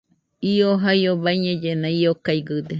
Iomo jaio baiñellena, io gaigɨde